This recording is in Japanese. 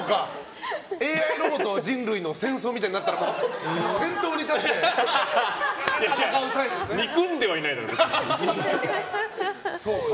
ＡＩロボットと人類の戦争みたいになったら憎んではいないだろ。